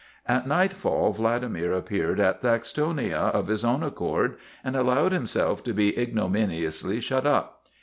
At nightfall Vladimir appeared at Thaxtonia of his own accord and allowed himself to be ignomin iously shut up.